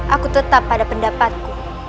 aku tetap pada pendapatku